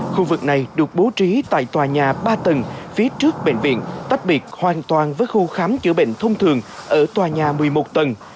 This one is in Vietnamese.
khu vực này được bố trí tại tòa nhà ba tầng phía trước bệnh viện tách biệt hoàn toàn với khu khám chữa bệnh thông thường ở tòa nhà một mươi một tầng